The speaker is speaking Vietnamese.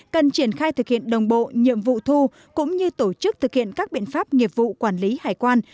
cần triển khai thực hiện đồng bộ nhiệm vụ thu cũng như tổ chức thực hiện các biện pháp nghiệp vụ quản lý hải quan